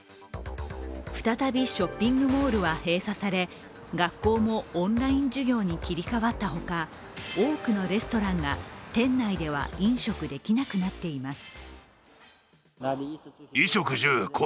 再びショッピングモールは閉鎖され学校もオンライン授業に切り替わったほか多くのレストランが店内では飲食できなくなっています。